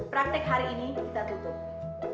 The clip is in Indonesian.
praktek hari ini kita tutup